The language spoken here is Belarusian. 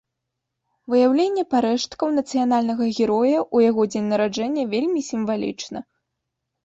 Выяўленне парэшткаў нацыянальнага героя ў яго дзень нараджэння вельмі сімвалічна.